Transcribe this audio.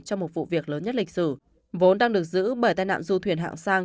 trong một vụ việc lớn nhất lịch sử vốn đang được giữ bởi tai nạn du thuyền hạng sang